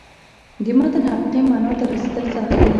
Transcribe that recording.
د متن حقیقي معنا ته رسېدل سخت دي.